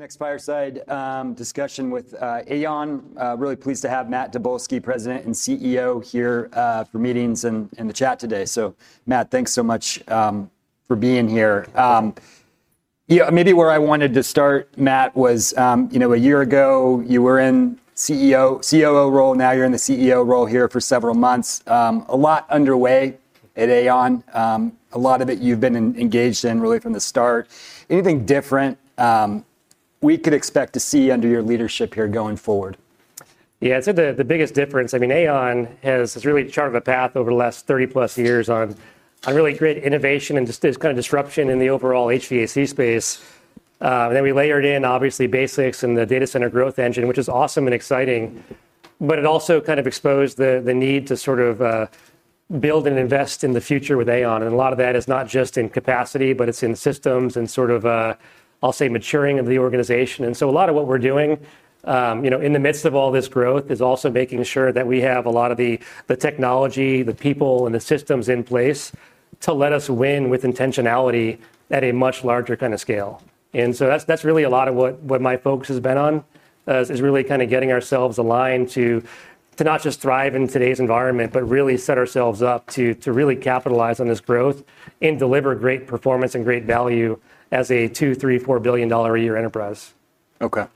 Next, fireside discussion with AAON. Really pleased to have Matt Tobolski, President and CEO, here for meetings and in the chat today. Matt, thanks so much for being here. Maybe where I wanted to start, Matt, was, you know, a year ago you were in the CEO role, now you're in the CEO role here for several months. A lot underway at AAON. A lot of it you've been engaged in really from the start. Anything different we could expect to see under your leadership here going forward? Yeah, I'd say the biggest difference, I mean, AAON has really charted a path over the last 30+ years on really great innovation and just this kind of disruption in the overall HVAC space. We layered in, obviously, BASX and the data center growth engine, which is awesome and exciting. It also kind of exposed the need to sort of build and invest in the future with AAON. A lot of that is not just in capacity, but it's in systems and sort of, I'll say, maturing of the organization. A lot of what we're doing in the midst of all this growth is also making sure that we have a lot of the technology, the people, and the systems in place to let us win with intentionality at a much larger kind of scale. That's really a lot of what my focus has been on, is really kind of getting ourselves aligned to not just thrive in today's environment, but really set ourselves up to really capitalize on this growth and deliver great performance and great value as a $2 billion, $3 billion, $4 billion a year enterprise. Okay.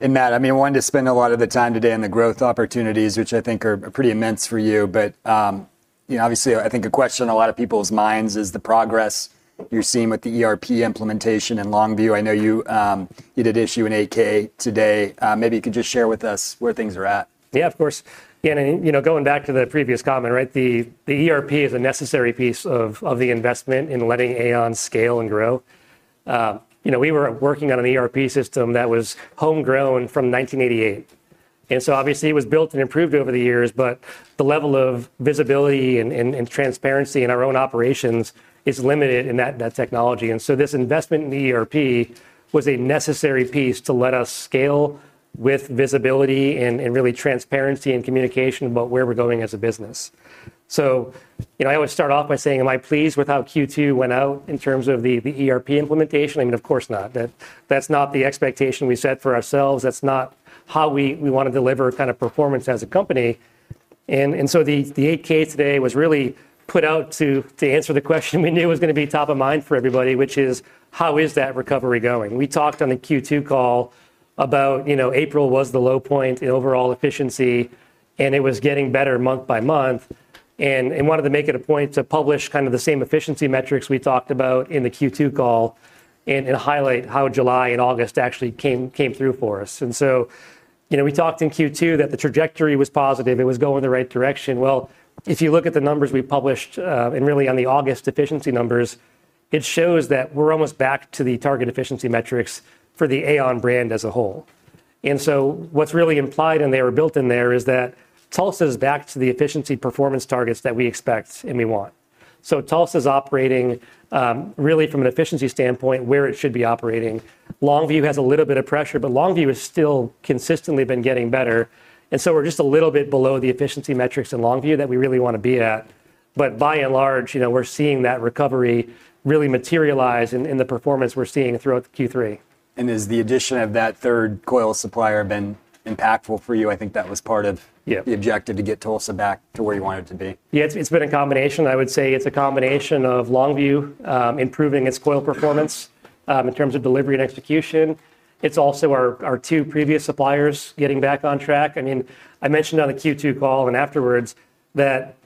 Matt, I wanted to spend a lot of the time today on the growth opportunities, which I think are pretty immense for you. Obviously, I think a question on a lot of people's minds is the progress you're seeing with the ERP implementation in Longview. I know you did issue an AK today. Maybe you could just share with us where things are at. Yeah, of course. You know, going back to the previous comment, the ERP is a necessary piece of the investment in letting AAON scale and grow. We were working on an ERP system that was homegrown from 1988. Obviously, it was built and improved over the years, but the level of visibility and transparency in our own operations is limited in that technology. This investment in the ERP was a necessary piece to let us scale with visibility and really transparency and communication about where we're going as a business. I always start off by saying, am I pleased with how Q2 went out in terms of the ERP implementation? Of course not. That's not the expectation we set for ourselves. That's not how we want to deliver kind of performance as a company. The AK today was really put out to answer the question we knew was going to be top of mind for everybody, which is, how is that recovery going? We talked on the Q2 call about April being the low point in overall efficiency, and it was getting better month by month. I wanted to make it a point to publish the same efficiency metrics we talked about in the Q2 call and highlight how July and August actually came through for us. We talked in Q2 that the trajectory was positive. It was going in the right direction. If you look at the numbers we published and really on the August efficiency numbers, it shows that we're almost back to the target efficiency metrics for the AAON brand as a whole. What's really implied and built in there is that Tulsa is back to the efficiency performance targets that we expect and we want. Tulsa is operating really from an efficiency standpoint where it should be operating. Longview has a little bit of pressure, but Longview has still consistently been getting better. We're just a little bit below the efficiency metrics in Longview that we really want to be at. By and large, we're seeing that recovery really materialize in the performance we're seeing throughout Q3. Has the addition of that third coil supplier been impactful for you? I think that was part of the objective to get Tulsa back to where you want it to be. Yeah, it's been a combination. I would say it's a combination of Longview improving its coil performance in terms of delivery and execution. It's also our two previous suppliers getting back on track. I mentioned on the Q2 call and afterwards that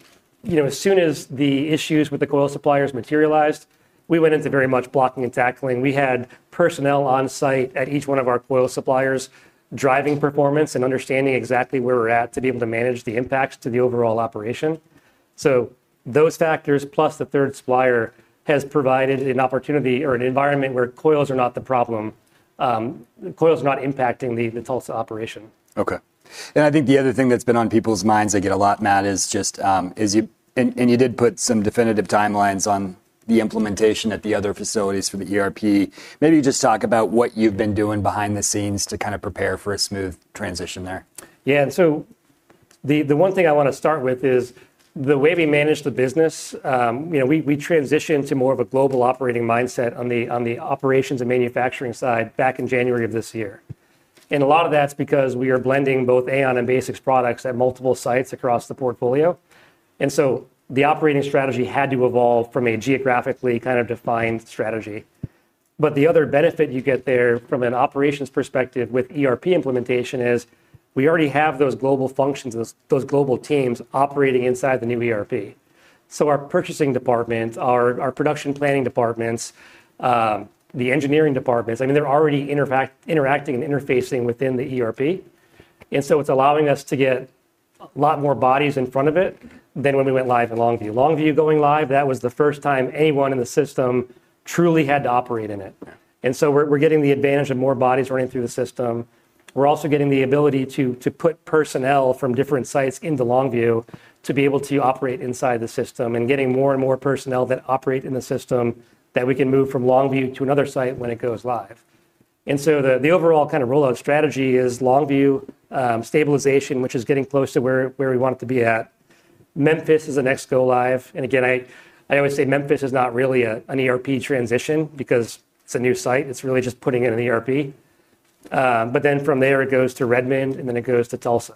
as soon as the issues with the coil suppliers materialized, we went into very much blocking and tackling. We had personnel on site at each one of our coil suppliers driving performance and understanding exactly where we're at to be able to manage the impacts to the overall operation. Those factors, plus the third supplier, have provided an opportunity or an environment where coils are not the problem. Coils are not impacting the Tulsa operation. Okay. I think the other thing that's been on people's minds, I get a lot, Matt, is just, and you did put some definitive timelines on the implementation at the other facilities for the ERP. Maybe you just talk about what you've been doing behind the scenes to kind of prepare for a smooth transition there. Yeah, the one thing I want to start with is the way we manage the business. You know, we transitioned to more of a global operating mindset on the operations and manufacturing side back in January of this year. A lot of that's because we are blending both AAON and BASX products at multiple sites across the portfolio. The operating strategy had to evolve from a geographically kind of defined strategy. The other benefit you get there from an operations perspective with ERP implementation is we already have those global functions, those global teams operating inside the new ERP. Our purchasing departments, our production planning departments, the engineering departments, they're already interacting and interfacing within the ERP. It's allowing us to get a lot more bodies in front of it than when we went live in Longview. Longview going live, that was the first time anyone in the system truly had to operate in it. We're getting the advantage of more bodies running through the system. We're also getting the ability to put personnel from different sites into Longview to be able to operate inside the system and getting more and more personnel that operate in the system that we can move from Longview to another site when it goes live. The overall kind of rollout strategy is Longview stabilization, which is getting close to where we want it to be at. Memphis is the next go live. I always say Memphis is not really an ERP transition because it's a new site. It's really just putting in an ERP. From there, it goes to Redmond and then it goes to Tulsa.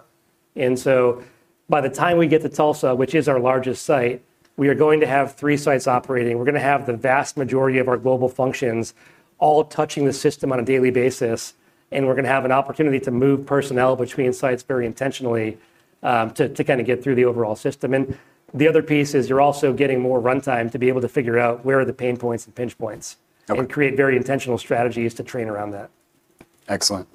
By the time we get to Tulsa, which is our largest site, we are going to have three sites operating. We're going to have the vast majority of our global functions all touching the system on a daily basis. We're going to have an opportunity to move personnel between sites very intentionally to kind of get through the overall system. The other piece is you're also getting more runtime to be able to figure out where are the pain points and pinch points. We create very intentional strategies to train around that. Excellent.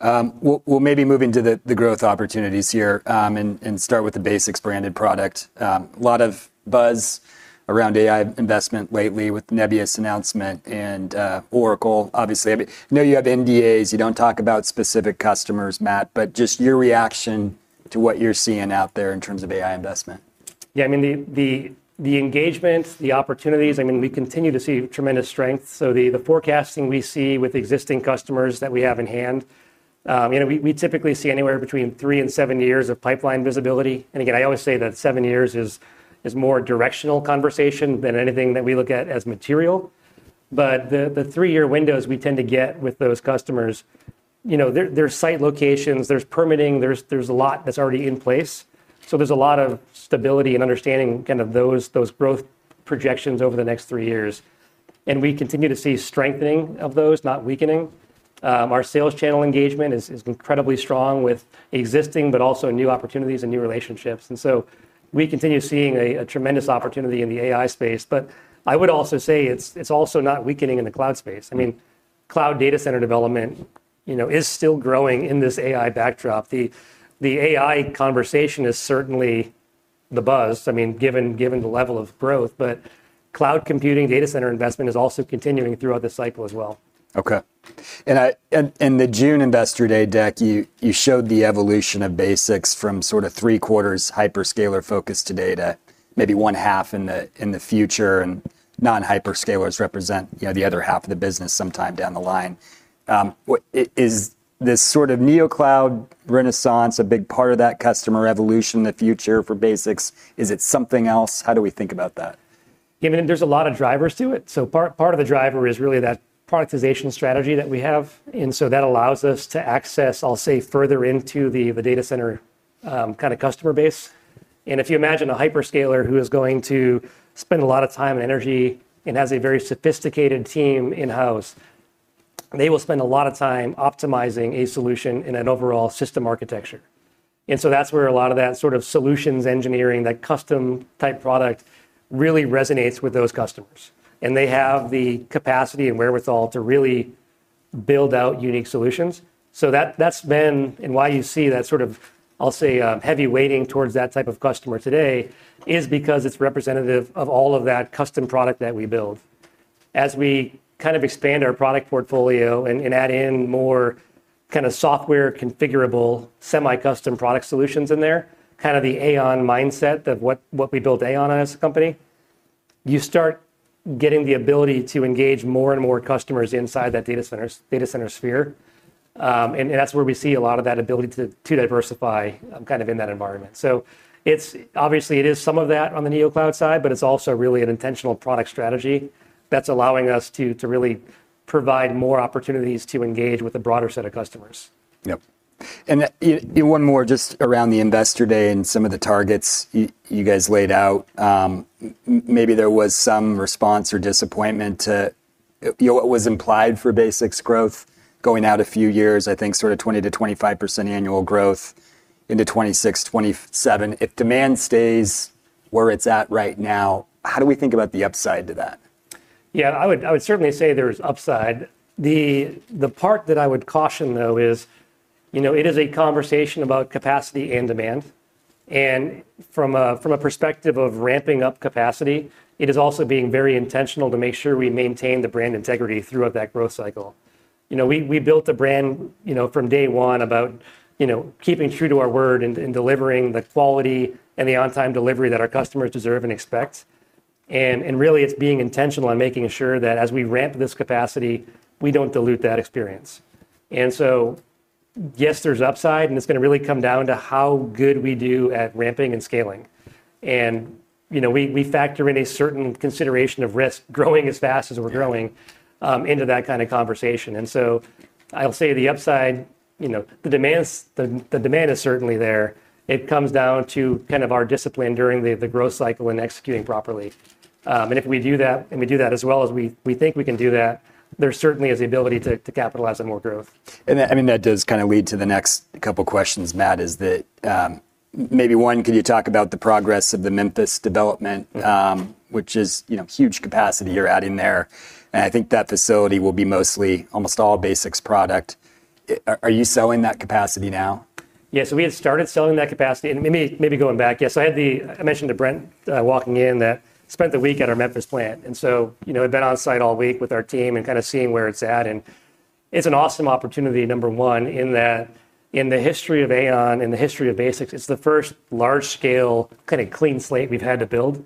We'll maybe move into the growth opportunities here and start with the BASX branded product. A lot of buzz around AI investment lately with Nebius's announcement and Oracle, obviously. I know you have NDAs. You don't talk about specific customers, Matt, but just your reaction to what you're seeing out there in terms of AI investment. Yeah, I mean, the engagement, the opportunities, we continue to see tremendous strength. The forecasting we see with existing customers that we have in hand, you know, we typically see anywhere between three and seven years of pipeline visibility. I always say that seven years is more directional conversation than anything that we look at as material. The three-year windows we tend to get with those customers, you know, there's site locations, there's permitting, there's a lot that's already in place. There's a lot of stability and understanding kind of those growth projections over the next three years. We continue to see strengthening of those, not weakening. Our sales channel engagement is incredibly strong with existing, but also new opportunities and new relationships. We continue seeing a tremendous opportunity in the AI space. I would also say it's also not weakening in the cloud space. Cloud data center development, you know, is still growing in this AI backdrop. The AI conversation is certainly the buzz, given the level of growth. Cloud computing data center investment is also continuing throughout the cycle as well. Okay. In the June Industry Day deck, you showed the evolution of BASX from sort of three quarters hyperscaler focused today to maybe one half in the future. Non-hyperscalers represent the other half of the business sometime down the line. Is this sort of neocloud renaissance a big part of that customer evolution in the future for BASX? Is it something else? How do we think about that? Yeah, I mean, there's a lot of drivers to it. Part of the driver is really that productization strategy that we have. That allows us to access, I'll say, further into the data center kind of customer base. If you imagine a hyperscaler who is going to spend a lot of time and energy and has a very sophisticated team in-house, they will spend a lot of time optimizing a solution in an overall system architecture. That's where a lot of that sort of solutions engineering, that custom type product really resonates with those customers. They have the capacity and wherewithal to really build out unique solutions. That's been, and why you see that sort of, I'll say, heavy weighting towards that type of customer today is because it's representative of all of that custom product that we build. As we kind of expand our product portfolio and add in more kind of software configurable semi-custom product solutions in there, kind of the AAON mindset of what we build AAON on as a company, you start getting the ability to engage more and more customers inside that data center sphere. That's where we see a lot of that ability to diversify kind of in that environment. It is some of that on the neocloud side, but it's also really an intentional product strategy that's allowing us to really provide more opportunities to engage with a broader set of customers. Yes. You know, one more just around the Investor day and some of the targets you guys laid out, maybe there was some response or disappointment to what was implied for BASX growth going out a few years. I think sort of 20%-25% annual growth into 2026, 2027. If demand stays where it's at right now, how do we think about the upside to that? Yeah, I would certainly say there's upside. The part that I would caution, though, is it is a conversation about capacity and demand. From a perspective of ramping up capacity, it is also being very intentional to make sure we maintain the brand integrity throughout that growth cycle. We built the brand from day one about keeping true to our word and delivering the quality and the on-time delivery that our customers deserve and expect. Really, it's being intentional and making sure that as we ramp this capacity, we don't dilute that experience. Yes, there's upside, and it's going to really come down to how good we do at ramping and scaling. We factor in a certain consideration of risk growing as fast as we're growing into that kind of conversation. I'll say the upside, the demand is certainly there. It comes down to our discipline during the growth cycle and executing properly. If we do that, and we do that as well as we think we can do that, there certainly is the ability to capitalize on more growth. That does kind of lead to the next couple of questions, Matt. Maybe one, can you talk about the progress of the Memphis development, which is, you know, huge capacity you're adding there? I think that facility will be mostly almost all BASX product. Are you selling that capacity now? Yeah, so we had started selling that capacity. Maybe going back, yes, I mentioned to Brent walking in that I spent the week at our Memphis plant. I've been on site all week with our team and kind of seeing where it's at. It's an awesome opportunity, number one, in that in the history of AAON, in the history of BASX, it's the first large-scale kind of clean slate we've had to build.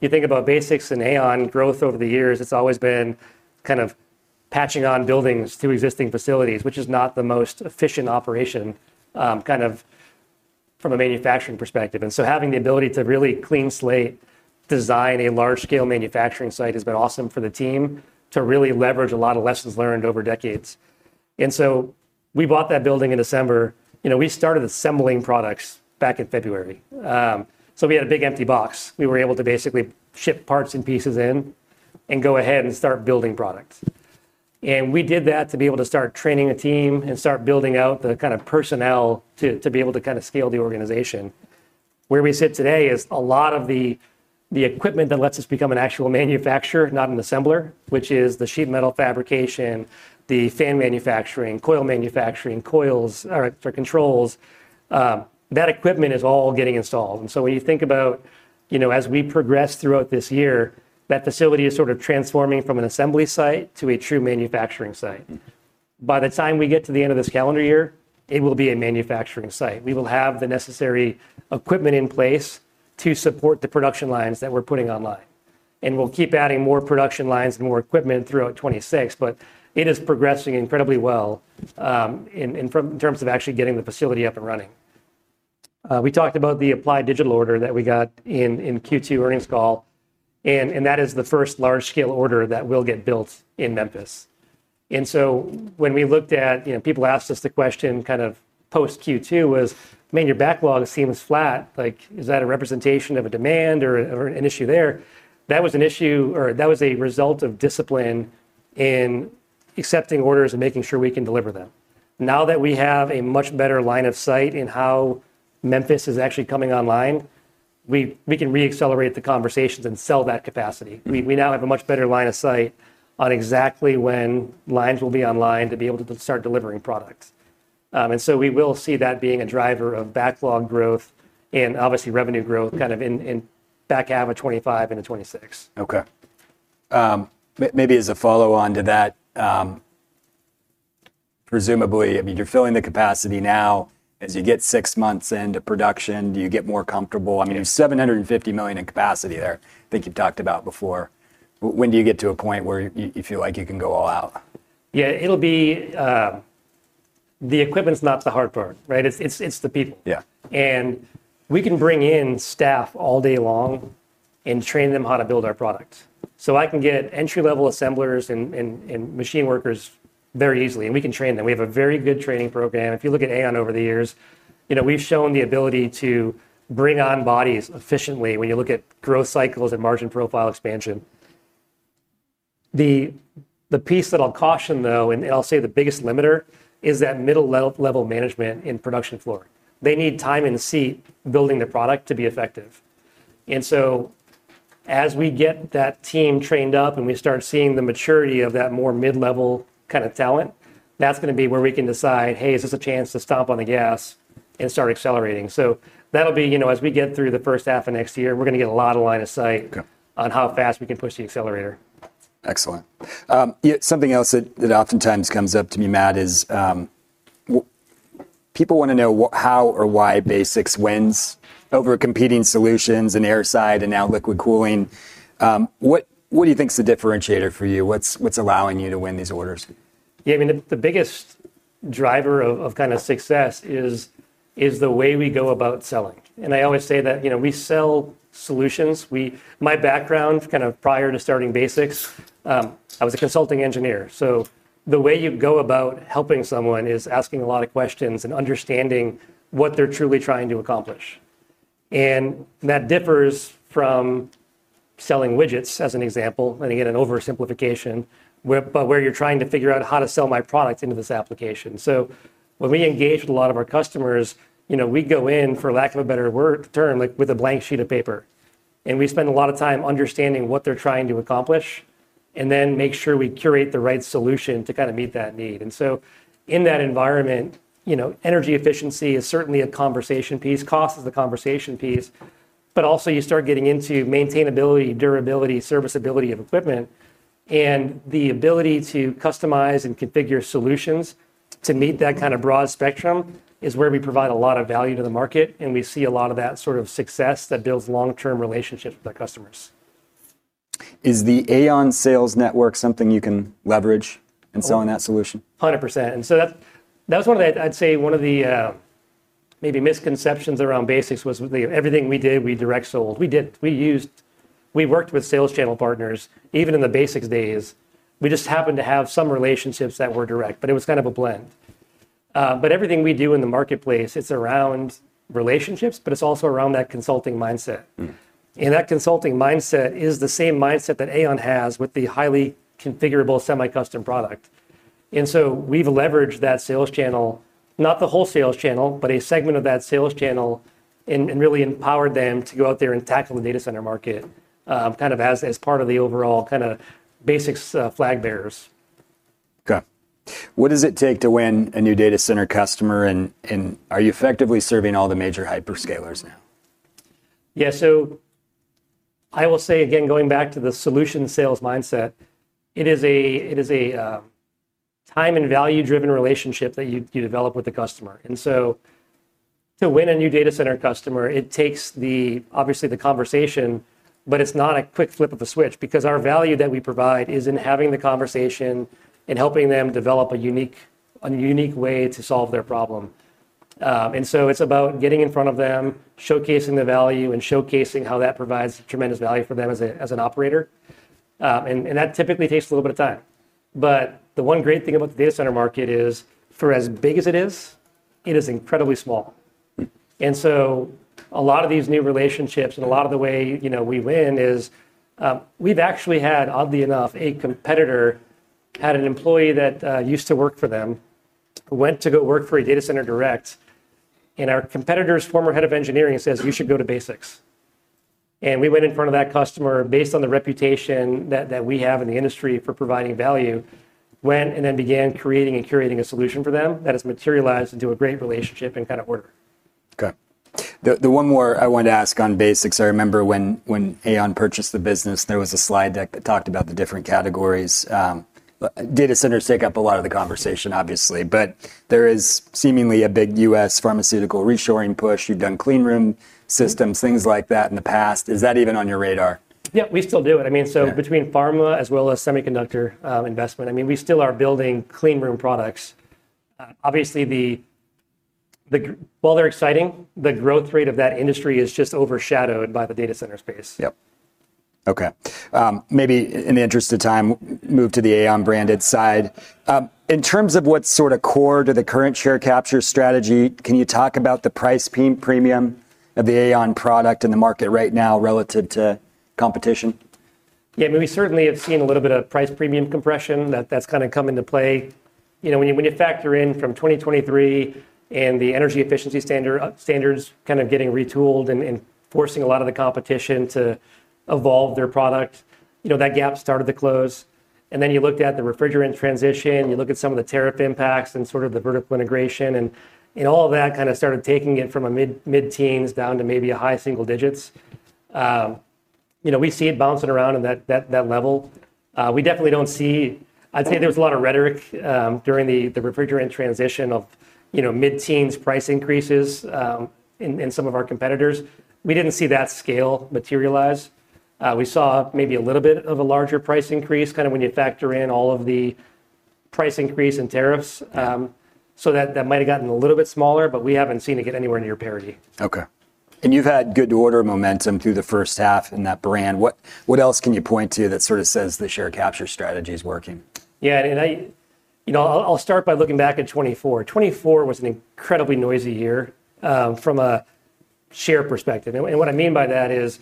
You think about BASX and AAON growth over the years, it's always been kind of patching on buildings to existing facilities, which is not the most efficient operation from a manufacturing perspective. Having the ability to really clean slate design a large-scale manufacturing site has been awesome for the team to really leverage a lot of lessons learned over decades. We bought that building in December. We started assembling products back in February. We had a big empty box. We were able to basically ship parts and pieces in and go ahead and start building products. We did that to be able to start training the team and start building out the kind of personnel to be able to scale the organization. Where we sit today is a lot of the equipment that lets us become an actual manufacturer, not an assembler, which is the sheet metal fabrication, the fan manufacturing, coil manufacturing, coils for controls. That equipment is all getting installed. When you think about as we progress throughout this year, that facility is sort of transforming from an assembly site to a true manufacturing site. By the time we get to the end of this calendar year, it will be a manufacturing site. We will have the necessary equipment in place to support the production lines that we're putting online. We'll keep adding more production lines and more equipment throughout 2026, but it is progressing incredibly well in terms of actually getting the facility up and running. We talked about the applied digital order that we got in Q2 earnings call. That is the first large-scale order that will get built in Memphis. When we looked at, people asked us the question kind of post-Q2, "Man, your backlog seems flat. Like, is that a representation of a demand or an issue there?" That was an issue, or that was a result of discipline in accepting orders and making sure we can deliver them. Now that we have a much better line of sight in how Memphis is actually coming online, we can re-accelerate the conversations and sell that capacity. We now have a much better line of sight on exactly when lines will be online to be able to start delivering products. We will see that being a driver of backlog growth and obviously revenue growth kind of in the back half of 2025 and 2026. Okay. Maybe as a follow-on to that, presumably, I mean, you're filling the capacity now. As you get six months into production, do you get more comfortable? I mean, there's $750 million in capacity there that you talked about before. When do you get to a point where you feel like you can go all out? Yeah, it'll be, the equipment's not the hard part, right? It's the people. Yeah. We can bring in staff all day long and train them how to build our product. I can get entry-level assemblers and machine workers very easily, and we can train them. We have a very good training program. If you look at AAON over the years, we've shown the ability to bring on bodies efficiently when you look at growth cycles and margin profile expansion. The piece that I'll caution, though, and I'll say the biggest limiter, is that mid-level management in production floor. They need time in the seat building the product to be effective. As we get that team trained up and we start seeing the maturity of that more mid-level kind of talent, that's going to be where we can decide, "Hey, is this a chance to stomp on the gas and start accelerating?" That'll be, you know, as we get through the first half of next year, we're going to get a lot of line of sight on how fast we can push the accelerator. Excellent. Yeah, something else that oftentimes comes up to me, Matt, is people want to know how or why BASX wins over competing solutions in airside and now liquid cooling. What do you think is the differentiator for you? What's allowing you to win these orders? Yeah, I mean, the biggest driver of kind of success is the way we go about selling. I always say that, you know, we sell solutions. My background kind of prior to starting BASX, I was a consulting engineer. The way you go about helping someone is asking a lot of questions and understanding what they're truly trying to accomplish. That differs from selling widgets, as an example, and again, an oversimplification, but where you're trying to figure out how to sell my product into this application. When we engage with a lot of our customers, you know, we go in, for lack of a better term, like with a blank sheet of paper. We spend a lot of time understanding what they're trying to accomplish and then make sure we curate the right solution to kind of meet that need. In that environment, you know, energy efficiency is certainly a conversation piece, cost is a conversation piece, but also you start getting into maintainability, durability, serviceability of equipment. The ability to customize and configure solutions to meet that kind of broad spectrum is where we provide a lot of value to the market. We see a lot of that sort of success that builds long-term relationships with our customers. Is the AAON sales network something you can leverage in selling that solution? 100%. That was one of the, I'd say, one of the maybe misconceptions around BASX was everything we did, we direct sold. We did. We used, we worked with sales channel partners, even in the BASX days. We just happened to have some relationships that were direct, but it was kind of a blend. Everything we do in the marketplace, it's around relationships, but it's also around that consulting mindset. That consulting mindset is the same mindset that AAON has with the highly configurable semi-custom product. We have leveraged that sales channel, not the whole sales channel, but a segment of that sales channel and really empowered them to go out there and tackle the data center market as part of the overall BASX flag bearers. Okay. What does it take to win a new data center customer? Are you effectively serving all the major hyperscalers now? Yeah, I will say again, going back to the solution sales mindset, it is a time and value-driven relationship that you develop with the customer. To win a new data center customer, it takes obviously the conversation, but it's not a quick flip of the switch because our value that we provide is in having the conversation and helping them develop a unique way to solve their problem. It's about getting in front of them, showcasing the value, and showcasing how that provides tremendous value for them as an operator. That typically takes a little bit of time. The one great thing about the data center market is, for as big as it is, it is incredibly small. A lot of these new relationships and a lot of the way we win is we've actually had, oddly enough, a competitor had an employee that used to work for them who went to go work for a data center direct. Our competitor's former head of engineering says, "You should go to BASX." We went in front of that customer based on the reputation that we have in the industry for providing value, went and then began creating and curating a solution for them that has materialized into a great relationship and kind of order. Okay. The one more I wanted to ask on BASX, I remember when AAON purchased the business, there was a slide deck that talked about the different categories. Data centers take up a lot of the conversation, obviously, but there is seemingly a big U.S. pharmaceutical reshoring push. You've done clean room solutions, things like that in the past. Is that even on your radar? Yeah, we still do it. I mean, between pharma as well as semiconductor investment, we still are building clean room products. Obviously, while they're exciting, the growth rate of that industry is just overshadowed by the data center space. Okay. Maybe in the interest of time, move to the AAON branded side. In terms of what's sort of core to the current share capture strategy, can you talk about the price premium of the AAON product in the market right now relative to competition? Yeah, I mean, we certainly have seen a little bit of price premium compression that's kind of come into play. You know, when you factor in from 2023 and the energy efficiency standards kind of getting retooled and forcing a lot of the competition to evolve their product, you know, that gap started to close. You looked at the refrigerant transition, you look at some of the tariff impacts and sort of the vertical integration, and all of that kind of started taking it from a mid-teens down to maybe a high single digits. You know, we see it bouncing around in that level. We definitely don't see, I'd say there was a lot of rhetoric during the refrigerant transition of, you know, mid-teens price increases in some of our competitors. We didn't see that scale materialize. We saw maybe a little bit of a larger price increase kind of when you factor in all of the price increase in tariffs. That might have gotten a little bit smaller, but we haven't seen it get anywhere near parity. Okay. You've had good order momentum through the first half in that brand. What else can you point to that sort of says the share capture strategy is working? Yeah, and I, you know, I'll start by looking back at 2024. 2024 was an incredibly noisy year from a share perspective. What I mean by that is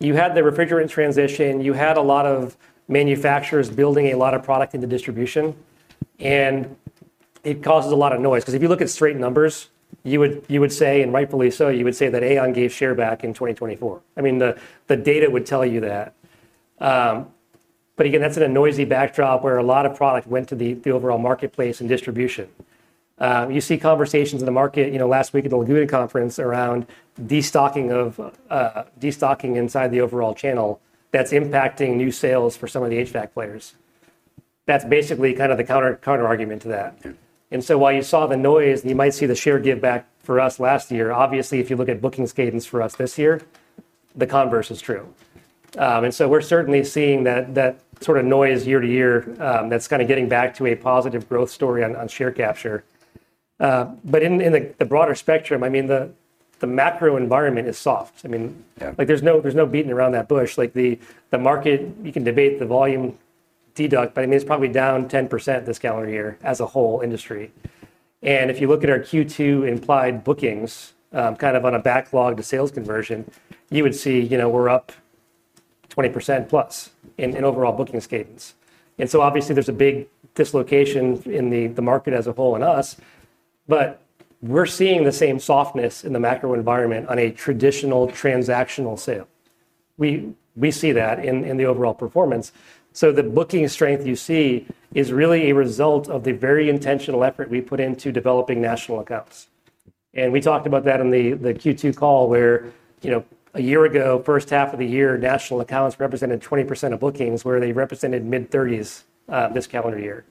you had the refrigerant transition, you had a lot of manufacturers building a lot of product into distribution, and it causes a lot of noise. Because if you look at straight numbers, you would say, and rightfully so, you would say that AAON gave share back in 2024. I mean, the data would tell you that. Again, that's in a noisy backdrop where a lot of product went to the overall marketplace and distribution. You see conversations in the market, last week at the Laguna Conference around destocking inside the overall channel that's impacting new sales for some of the HVAC players. That's basically kind of the counterargument to that. While you saw the noise, and you might see the share give back for us last year, obviously, if you look at booking cadence for us this year, the converse is true. We're certainly seeing that sort of noise year to year that's kind of getting back to a positive growth story on share capture. In the broader spectrum, the macro environment is soft. There's no beating around that bush. The market, you can debate the volume deduct, but it's probably down 10% this calendar year as a whole industry. If you look at our Q2 implied bookings, kind of on a backlog to sales conversion, you would see we're up 20%+ in overall booking escapements. Obviously, there's a big dislocation in the market as a whole in us. We're seeing the same softness in the macro environment on a traditional transactional sale. We see that in the overall performance. The booking strength you see is really a result of the very intentional effort we put into developing national accounts. We talked about that in the Q2 call where, a year ago, first half of the year, national accounts represented 20% of bookings, where they represented mid-30s this calendar year.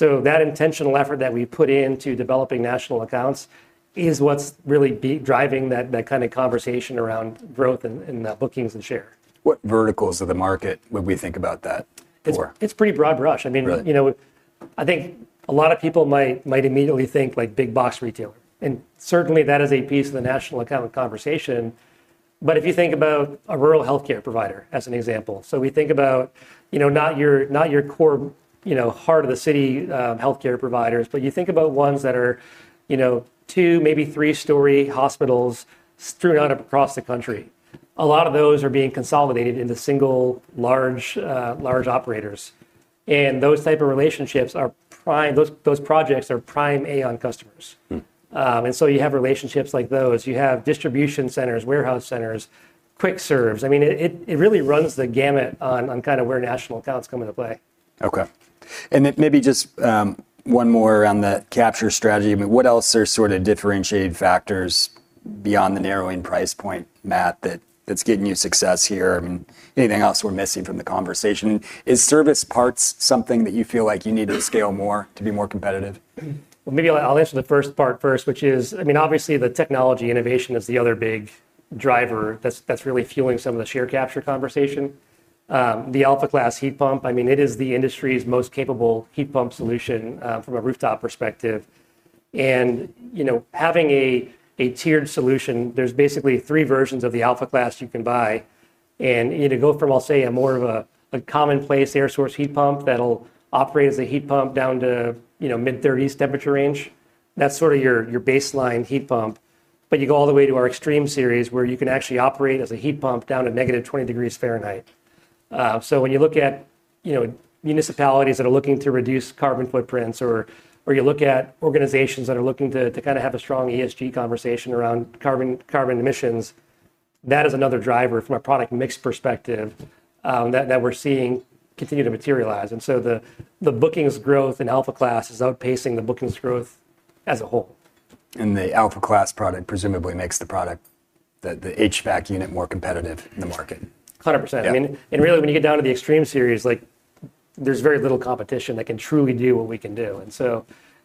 That intentional effort that we put into developing national accounts is what's really driving that kind of conversation around growth in bookings and share. What verticals of the market would we think about that for? It's a pretty broad brush. I mean, you know, I think a lot of people might immediately think like big box retailer. Certainly, that is a piece of the national account conversation. If you think about a rural healthcare provider as an example, we think about, you know, not your core, you know, heart of the city healthcare providers, but you think about ones that are, you know, two, maybe three-story hospitals strewn out up across the country. A lot of those are being consolidated into single, large, large operators. Those types of relationships are prime, those projects are prime AAON customers. You have relationships like those. You have distribution centers, warehouse centers, quick serves. It really runs the gamut on kind of where national accounts come into play. Okay. Maybe just one more around that capture strategy. I mean, what else are sort of differentiating factors beyond the narrowing price point, Matt, that's getting you success here? I mean, anything else we're missing from the conversation? Is service parts something that you feel like you need to scale more to be more competitive? Maybe I'll answer the first part first, which is, obviously, the technology innovation is the other big driver that's really fueling some of the share capture conversation. The Alpha Class heat pump, I mean, it is the industry's most capable heat pump solution from a rooftop perspective. Having a tiered solution, there's basically three versions of the Alpha Class you can buy. You can go from, I'll say, more of a commonplace air source heat pump that'll operate as a heat pump down to, you know, mid-30s temperature range. That's sort of your baseline heat pump. You go all the way to our EXTREME SERIES, where you can actually operate as a heat pump down to negative 20 degrees Fahrenheit. When you look at municipalities that are looking to reduce carbon footprints, or you look at organizations that are looking to kind of have a strong ESG conversation around carbon emissions, that is another driver from a product mix perspective that we're seeing continue to materialize. The bookings growth in Alpha Class is outpacing the bookings growth as a whole. The Alpha Class heat pump presumably makes the product, the HVAC unit, more competitive in the market. 100%. Really, when you get down to the EXTREME SERIES, there's very little competition that can truly do what we can do.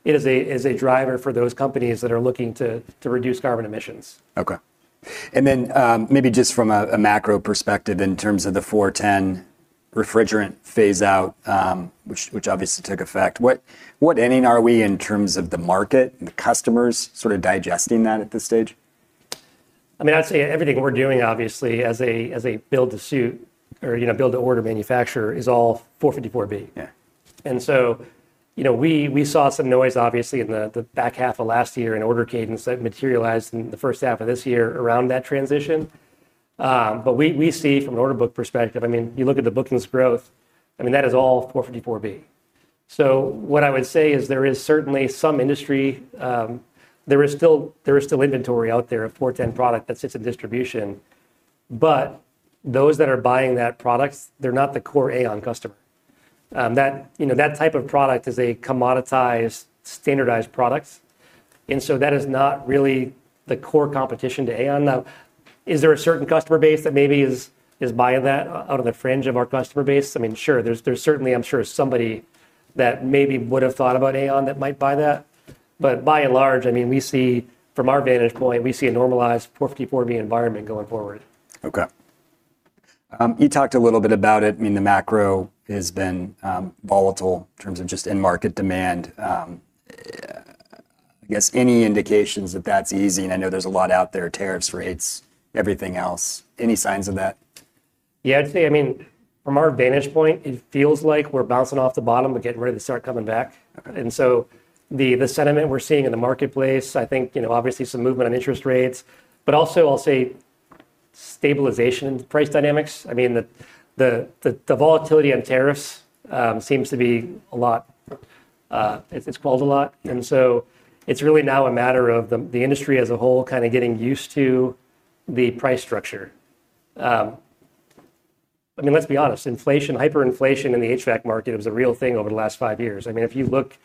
It is a driver for those companies that are looking to reduce carbon emissions. Okay. Maybe just from a macro perspective in terms of the 410 refrigerant phase out, which obviously took effect, what ending are we in terms of the market and the customers sort of digesting that at this stage? I'd say everything we're doing, obviously, as a build-to-suit or, you know, build-to-order manufacturer is all 454B. Yeah. We saw some noise, obviously, in the back half of last year in order cadence that materialized in the first half of this year around that transition. From an order book perspective, you look at the bookings growth, that is all 454B. What I would say is there is certainly some industry, there is still inventory out there of 410 product that sits in distribution. Those that are buying that product, they're not the core AAON customer. That type of product is a commoditized, standardized product. That is not really the core competition to AAON. Now, is there a certain customer base that maybe is buying that out of the fringe of our customer base? Sure, there's certainly somebody that maybe would have thought about AAON that might buy that. By and large, from our vantage point, we see a normalized 454B environment going forward. Okay. You talked a little bit about it. I mean, the macro has been volatile in terms of just in-market demand. I guess any indications that that's easing, and I know there's a lot out there, tariffs, rates, everything else, any signs of that? Yeah, I'd say, I mean, from our vantage point, it feels like we're bouncing off the bottom but getting ready to start coming back. The sentiment we're seeing in the marketplace, I think, you know, obviously some movement on interest rates, but also I'll say stabilization in price dynamics. The volatility on tariffs seems to be a lot. It's quelled a lot. It's really now a matter of the industry as a whole kind of getting used to the price structure. I mean, let's be honest, inflation, hyperinflation in the HVAC market is a real thing over the last five years. If you look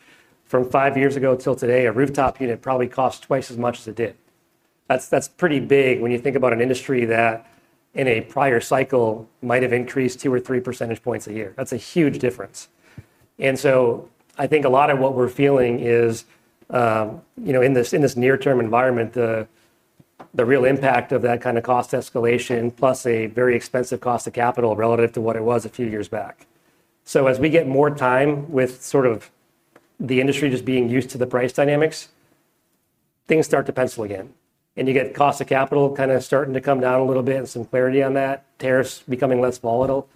from five years ago till today, a rooftop unit probably costs twice as much as it did. That's pretty big when you think about an industry that in a prior cycle might have increased 2% or 3% a year. That's a huge difference. I think a lot of what we're feeling is, you know, in this near-term environment, the real impact of that kind of cost escalation plus a very expensive cost of capital relative to what it was a few years back. As we get more time with sort of the industry just being used to the price dynamics, things start to pencil again. You get cost of capital kind of starting to come down a little bit and some clarity on that, tariffs becoming less volatile.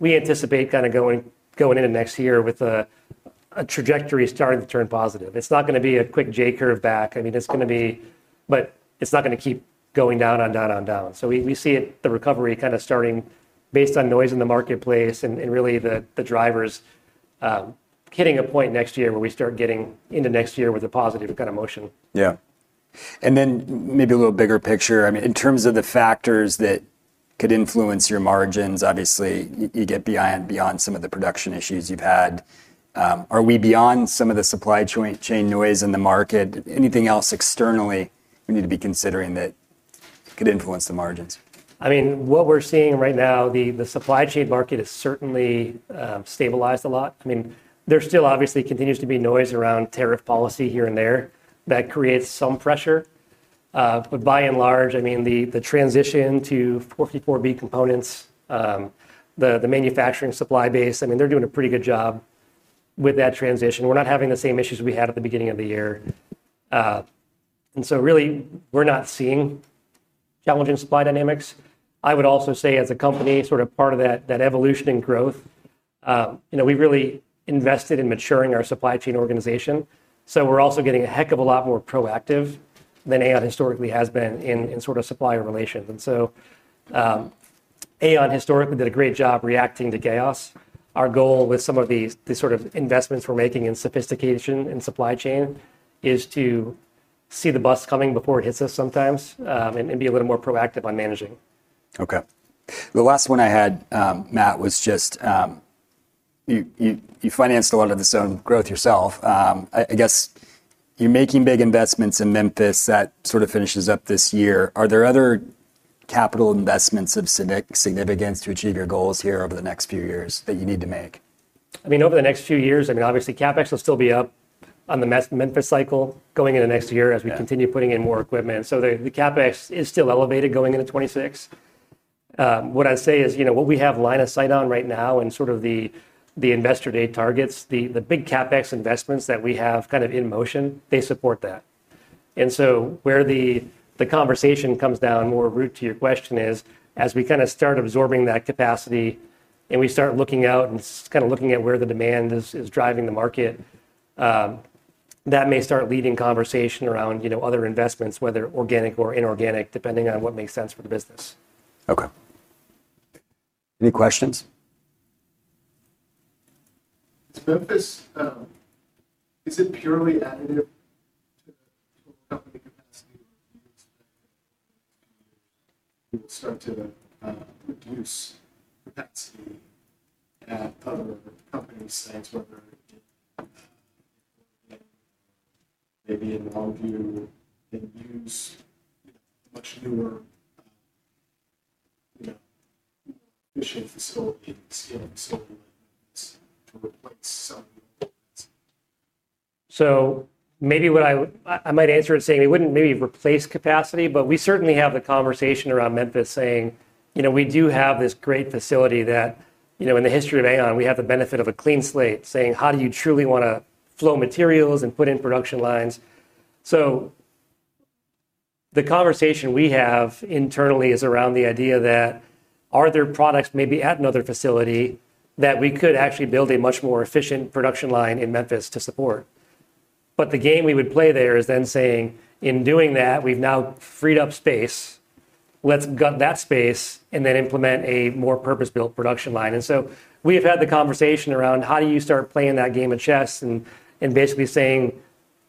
We anticipate kind of going into next year with a trajectory starting to turn positive. It's not going to be a quick J-curve back. It's going to be, but it's not going to keep going down, down, down, down. We see the recovery kind of starting based on noise in the marketplace and really the drivers hitting a point next year where we start getting into next year with a positive kind of motion. In terms of the factors that could influence your margins, obviously, you get beyond some of the production issues you've had. Are we beyond some of the supply chain noise in the market? Anything else externally we need to be considering that could influence the margins? What we're seeing right now, the supply chain market is certainly stabilized a lot. There still obviously continues to be noise around tariff policy here and there that creates some pressure. By and large, the transition to 454B components, the manufacturing supply base, they're doing a pretty good job with that transition. We're not having the same issues we had at the beginning of the year. Really, we're not seeing challenging supply dynamics. I would also say as a company, sort of part of that evolution in growth, we've really invested in maturing our supply chain organization. We're also getting a heck of a lot more proactive than AAON historically has been in sort of supplier relations. AAON historically did a great job reacting to chaos. Our goal with some of these investments we're making in sophistication and supply chain is to see the bus coming before it hits us sometimes and be a little more proactive on managing. Okay. The last one I had, Matt, was just you financed a lot of this own growth yourself. I guess you're making big investments in Memphis that sort of finishes up this year. Are there other capital investments of significance to achieve your goals here over the next few years that you need to make? Over the next few years, obviously, CapEx will still be up on the Memphis cycle going into next year as we continue putting in more equipment. The CapEx is still elevated going into 2026. What I'd say is, you know, what we have line of sight on right now and sort of the Investor Day targets, the big CapEx investments that we have kind of in motion, they support that. Where the conversation comes down more root to your question is as we kind of start absorbing that capacity and we start looking out and kind of looking at where the demand is driving the market, that may start leading conversation around other investments, whether organic or inorganic, depending on what makes sense for the business. Okay. Any questions? Memphis isn't purely a produced factory from a company's side here. Maybe in Longview, there are fewer initiatives? Maybe what I might answer is saying it wouldn't maybe replace capacity, but we certainly have the conversation around Memphis saying, you know, we do have this great facility that, you know, in the history of AAON, we have the benefit of a clean slate, saying, how do you truly want to flow materials and put in production lines? The conversation we have internally is around the idea that are there products maybe at another facility that we could actually build a much more efficient production line in Memphis to support? The game we would play there is then saying, in doing that, we've now freed up space. Let's gut that space and then implement a more purpose-built production line. We have had the conversation around how do you start playing that game of chess and basically saying,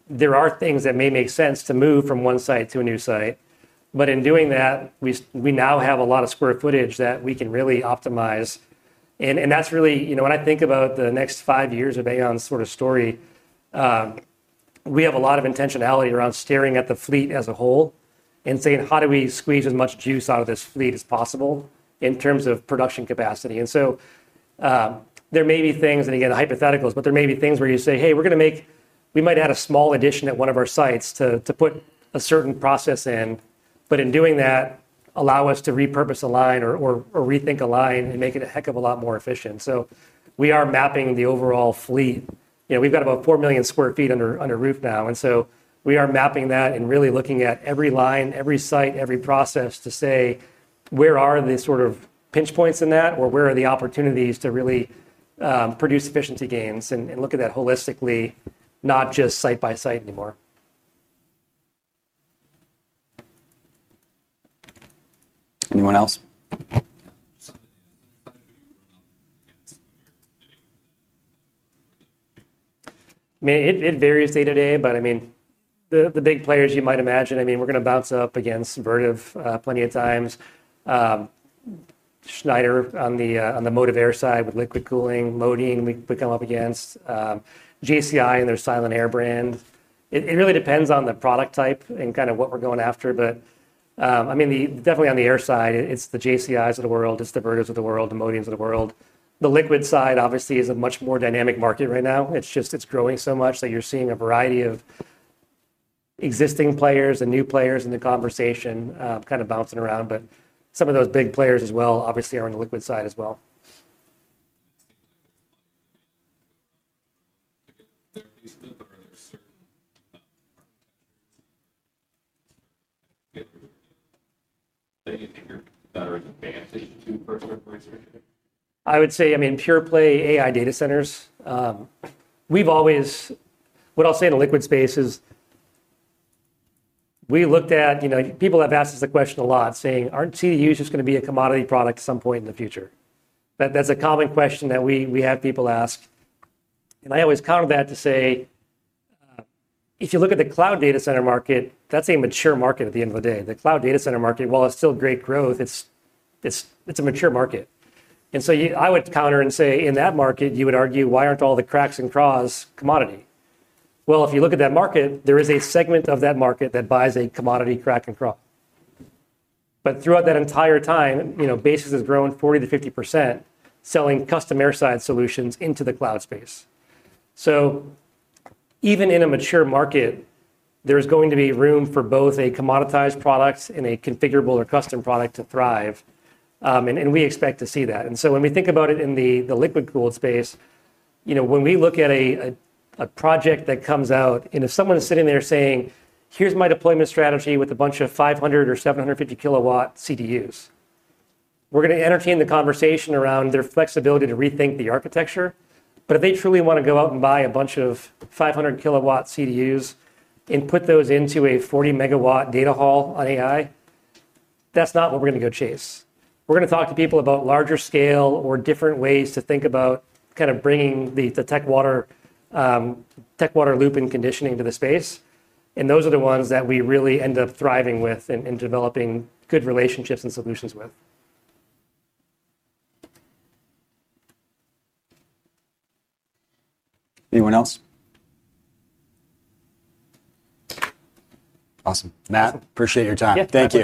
there are things that may make sense to move from one site to a new site. In doing that, we now have a lot of square footage that we can really optimize. That's really, you know, when I think about the next five years of AAON's sort of story, we have a lot of intentionality around staring at the fleet as a whole and saying, how do we squeeze as much juice out of this fleet as possible in terms of production capacity? There may be things, and again, hypotheticals, but there may be things where you say, hey, we might add a small addition at one of our sites to put a certain process in, but in doing that, allow us to repurpose a line or rethink a line and make it a heck of a lot more efficient. We are mapping the overall fleet. We've got about 4 million sq ft under roof now. We are mapping that and really looking at every line, every site, every process to say, where are the sort of pinch points in that or where are the opportunities to really produce efficiency gains and look at that holistically, not just site by site anymore. Anyone else? I mean, it varies day to day, but the big players you might imagine, we're going to bounce up against Vertiv plenty of times. Schneider on the motive air side with liquid cooling, moating, we come up against JCI and their Silent-Aire brand. It really depends on the product type and kind of what we're going after. Definitely on the air side, it's the JCIs of the world, it's the Vertivs of the world, the Moatings of the world. The liquid side obviously is a much more dynamic market right now. It's growing so much that you're seeing a variety of existing players and new players in the conversation kind of bouncing around. Some of those big players as well obviously are on the liquid side as well. I would say, pure play AI data centers. What I'll say in the liquid space is we looked at, you know, people have asked us the question a lot saying, aren't CDUs just going to be a commodity product at some point in the future? That's a common question that we have people ask. I always counter that to say, if you look at the cloud data center market, that's a mature market at the end of the day. The cloud data center market, while it's still great growth, it's a mature market. I would counter and say, in that market, you would argue, why aren't all the CRACs and CRAHs commodity? If you look at that market, there is a segment of that market that buys a commodity CRAC and CRAH. Throughout that entire time, BASX has grown 40%-50% selling custom airside solutions into the cloud space. Even in a mature market, there's going to be room for both a commoditized product and a configurable or custom product to thrive. We expect to see that. When we think about it in the liquid cooled space, when we look at a project that comes out and if someone's sitting there saying, here's my deployment strategy with a bunch of 500 KW or 750 KW CDUs, we're going to entertain the conversation around their flexibility to rethink the architecture. If they truly want to go out and buy a bunch of 500 KW CDUs and put those into a 40 MW data hall on AI, that's not what we're going to go chase. We're going to talk to people about larger scale or different ways to think about kind of bringing the tech water loop and conditioning to the space. Those are the ones that we really end up thriving with and developing good relationships and solutions with. Anyone else? Awesome. Matt, appreciate your time. Thank you.